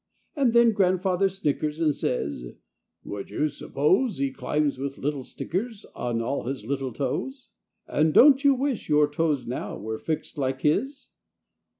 And then Grandfather snickers And says, "Would you suppose He climbs with little stickers On all his little toes? "And don't you wish your toes now Were fixed like his?